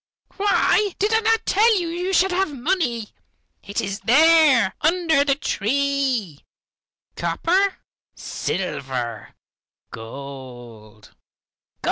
Why, did I not tell you you should have money. It is there, under the tree, copper, silver, gold.